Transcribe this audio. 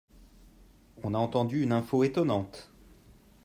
on a entendu une info étonnante.